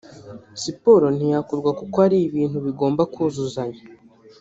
siporo ntiyakorwa kuko ari ibintu bigomba kuzuzanya